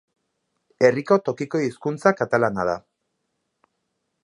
Herriko tokiko hizkuntza katalana da.